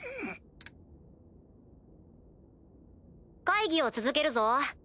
会議を続けるぞ。